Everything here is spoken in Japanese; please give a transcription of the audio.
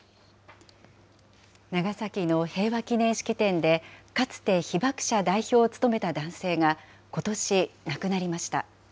長崎の平和祈念式典で、かつて被爆者代表を務めた男性が、ことし亡くなりました。